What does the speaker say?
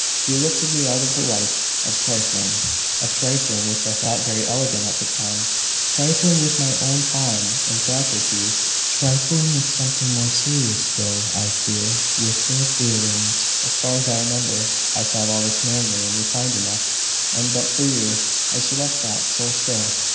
You lifted me out of a life of trifling of trifling which I thought very elegant at the time trifling with my own time and faculties trifling with other people's serious business trifling with something more serious still, I fear with their feelings. As far as I remember, I thought all this manly and refined enough: and but for you, I should have thought so still.